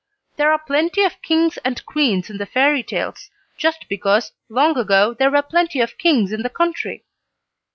There are plenty of kings and queens in the fairy tales, just because long ago there were plenty of kings in the country.